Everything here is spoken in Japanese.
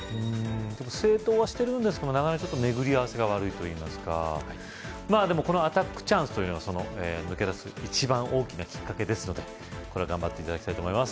でも正答はしてるんですけどもなかなか巡り合わせが悪いといいますかまぁでもこのアタックチャンスというのは抜け出す一番大きなきっかけですので頑張って頂きたいと思います